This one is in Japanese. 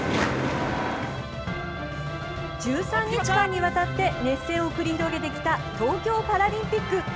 １３日間にわたって熱戦を繰り広げてきた東京パラリンピック。